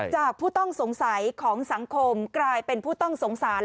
ผู้ต้องสงสัยของสังคมกลายเป็นผู้ต้องสงสัย